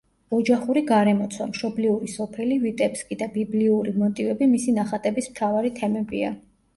ოჯახური გარემოცვა, მშობლიური სოფელი ვიტებსკი და ბიბლიური მოტივები მისი ნახატების მთავარი თემებია.